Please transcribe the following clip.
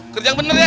kerjaan bener ya